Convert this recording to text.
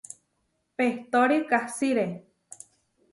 Pehtóri kasiré.